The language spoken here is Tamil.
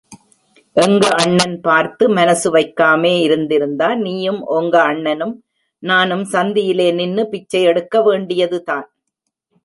எங்க அண்ணன் பார்த்து மனசுவைக்காமே இருந்திருந்தா நீயும் ஒங்க அண்ணனும் நானும் சந்தியிலே நின்னு பிச்சை எடுக்கவேண்டியதுதான்.